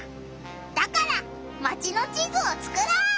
だからマチの地図をつくろう！